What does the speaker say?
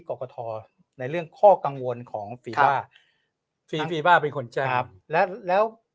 กรกฐในเรื่องข้อกังวลของฟีบ้าฟีฟีบ้าเป็นคนแจ้งแล้วแล้ว